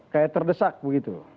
kayak terdesak begitu